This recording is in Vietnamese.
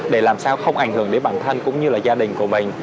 để làm sao không ảnh hưởng đến bản thân cũng như là gia đình của mình